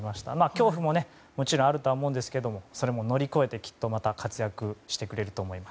恐怖も、もちろんあるとは思うんですけれどもそれも乗り越えて、きっとまた活躍してくれると思います。